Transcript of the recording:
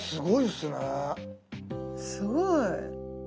すごい！